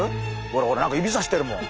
ほらほら何か指さしてるもん。